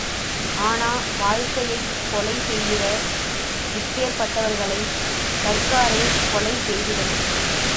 ஆனா, வாழ்க்கையைக் கொலை செய்யிற இப்பேர்ப்பட்டவர்களை சர்க்காரே கொலை செய்திடனும்.